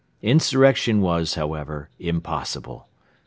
Insurrection was, however, impossible.